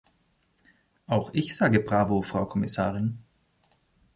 Auch ich sage Bravo, Frau Kommissarin.